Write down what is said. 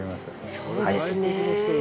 そうですねえ。